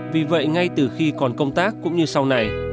vì vậy ngay từ khi còn công tác cũng như sau này